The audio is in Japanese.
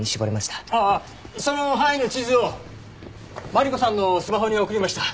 その範囲の地図をマリコさんのスマホに送りました。